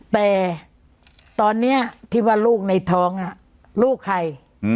แต่ตอนนี้ที่ว่าลูกในท้องลูกใคร